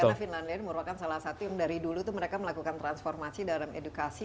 karena finlandia ini merupakan salah satu yang dari dulu tuh mereka melakukan transformasi dalam edukasi